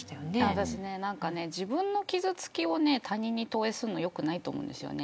私は自分の傷つきを他人に投影するのは良くないと思うんです。